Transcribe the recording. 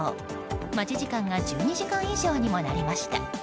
待ち時間が１２時間以上にもなりました。